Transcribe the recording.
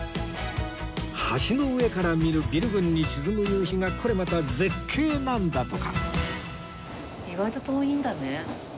橋の上から見るビル群に沈む夕日がこれまた絶景なんだとか